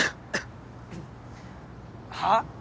はっ？